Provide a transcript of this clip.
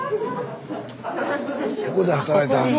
ここで働いてはんねや。